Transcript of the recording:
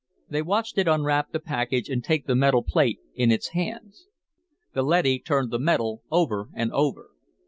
They watched it unwrap the package and take the metal plate in its hands. The leady turned the metal over and over.